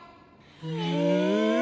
へえ。